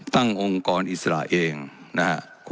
องค์กรอิสระเองนะครับ